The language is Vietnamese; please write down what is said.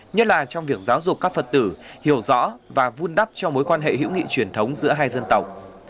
nhất là trong việc giáo dục các phật tử hiểu rõ và vun đắp cho mối quan hệ hữu nghị truyền thống giữa hai dân tộc